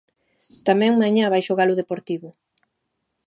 Tamén mañá vai xogar o Deportivo.